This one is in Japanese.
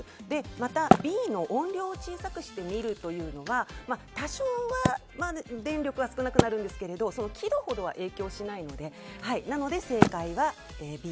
また、Ｂの音量を小さくして見るというのは多少は電力は少なくなるんですけれど輝度ほどは影響しないので。